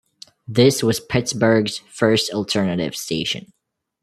This was Pittsburgh's first alternative station.